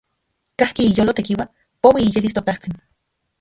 Kajki iyolo tekiua, poui iyelis ToTajtsin.